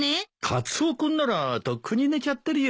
カツオ君ならとっくに寝ちゃってるよ。